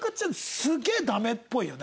すげえダメっぽいよね